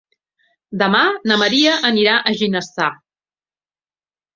Demà na Maria anirà a Ginestar.